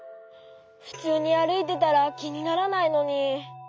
ふつうにあるいてたらきにならないのに。